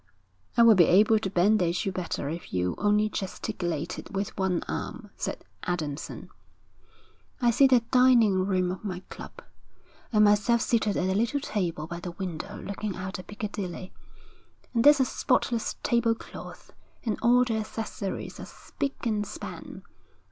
'I would be able to bandage you better if you only gesticulated with one arm,' said Adamson. 'I see the dining room of my club, and myself seated at a little table by the window looking out on Piccadilly. And there's a spotless table cloth, and all the accessories are spick and span.